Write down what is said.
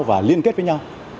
và liên kết với nhau